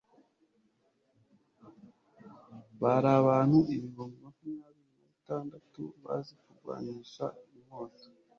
bari abantu ibihumbi makumyabiri na bitandatu bazi kurwanisha inkota